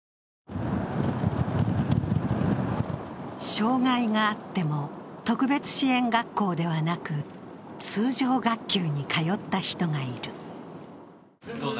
障害があっても特別支援学校ではなく通常学級に通った人がいる。